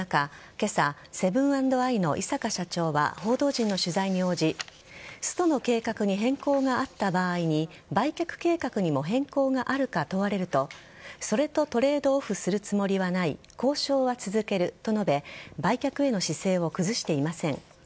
今朝、セブン＆アイの井阪社長は報道陣の取材に応じストの計画に変更があった場合に売却計画にも変更があるか問われるとそれとトレードオフするつもりはない交渉は続けると述べ売却への姿勢を崩していません。